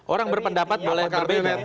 orang berpendapat boleh berbeda